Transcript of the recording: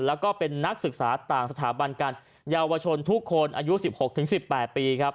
แล้วก็เป็นนักศึกษาต่างสถาบันกันเยาวชนทุกคนอายุ๑๖๑๘ปีครับ